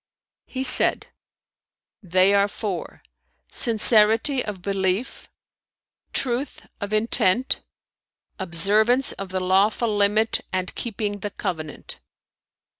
'" He said "They are four: sincerity of belief, truth of intent, observance of the lawful limit and keeping the covenant."